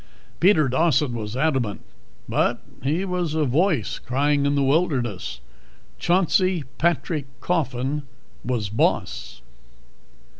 Peter Dawson was adamant, but he was a voice crying in the wilderness. Chauncey Patrick Coffin was boss.